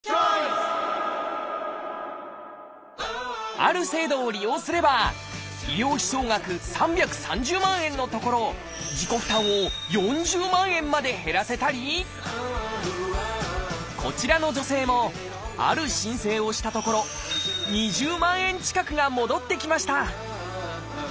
ある制度を利用すれば医療費総額３３０万円のところ自己負担を４０万円まで減らせたりこちらの女性もある申請をしたところ２０万円近くが戻ってきました